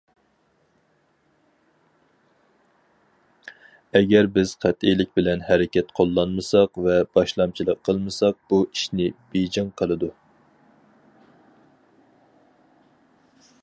ئەگەر بىز قەتئىيلىك بىلەن ھەرىكەت قوللانمىساق ۋە باشلامچىلىق قىلمىساق، بۇ ئىشنى بېيجىڭ قىلىدۇ.